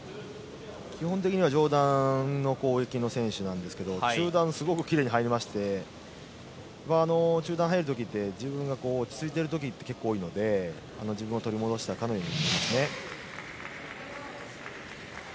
基本的には上段突きの選手なんですが中段すごく奇麗に入りまして中段入る時って自分が落ち着いている時結構多いので自分を取り戻したかのように思いますね。